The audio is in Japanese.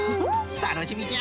たのしみじゃ！